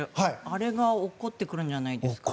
あれが落ちてくるんじゃないですか。